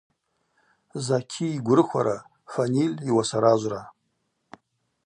Заки йгврыхвара, Фаниль йуасаражвра.